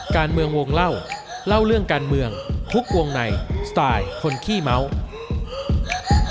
การเมืองวงเล่าเล่าเรื่องการเมืองฮุกวงในสไตล์คนขี้เมาส์